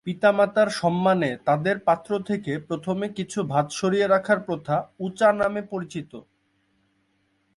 পিতামাতার সম্মানে তাদের পাত্র থেকে প্রথমে কিছু ভাত সরিয়ে রাখার প্রথা উ চা নামে পরিচিত।